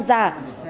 việt nam giả